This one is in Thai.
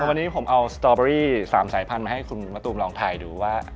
วันนี้ผมเอาสตอเบอรี่๓สายพันธุ์มาให้คุณมะตูมลองถ่ายดูว่า